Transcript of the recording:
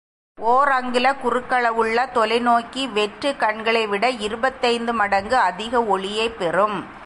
ஓர் அங்குல குறுக்களவுள்ள தொலை நோக்கி வெற்றுக் கண்களைவிட இருபத்தைந்து மடங்கு அதிக ஒளியைப் பெறும்!